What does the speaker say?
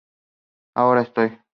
Ahora estoy!